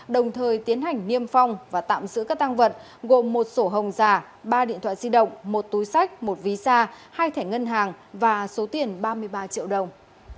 đồng thời tiến hành niêm phong và tạm giữ các tăng vật gồm một sổ hồng giả ba điện thoại di động một túi sách một ví xa hai thẻ ngân hàng và số tiền ba mươi ba triệu đồng